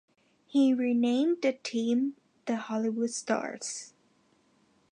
He renamed the team the Hollywood Stars.